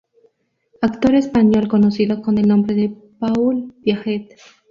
Actor español conocido con el nombre de Paul Piaget.